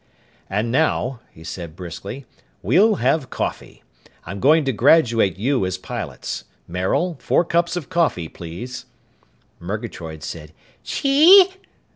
"And now," he said briskly, "we'll have coffee. I'm going to graduate you as pilots. Maril, four cups of coffee, please." Murgatroyd said "_Chee?